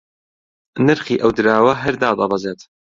نرخی ئەو دراوە هەر دادەبەزێت